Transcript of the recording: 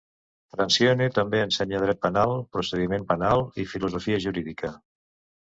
Francione també ensenya dret penal, procediment penal i filosofia jurídica.